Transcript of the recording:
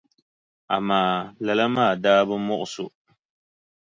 Amaa lala maa daa bi muɣisi o.